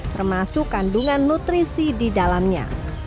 termasuk kandungan nutrisi di dalamnya